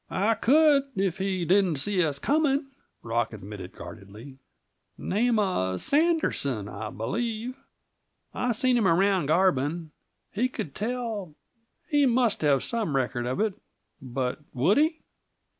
"I could if he didn't see us coming," Rock admitted guardedly. "Name of Sanderson, I believe. I've seen him around Garbin. He could tell he must have some record of it; but would he?"